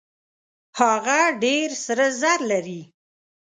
هغه ډېر سره زر لري.